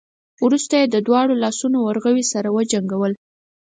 وروسته يې د دواړو لاسونو ورغوي سره وجنګول.